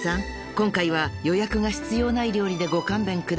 今回は予約が必要ない料理でご勘弁ください］